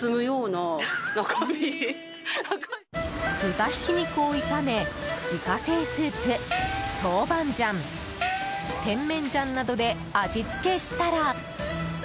豚ひき肉を炒め自家製スープ、トウバンジャンテンメンジャンなどで味付けしたら。